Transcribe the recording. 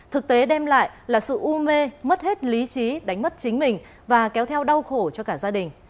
thực tế đem lại là sự u mê mất hết lý trí đánh mất chính mình và kéo theo đau khổ cho cả gia đình